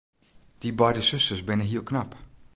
Dy beide susters binne hiel knap.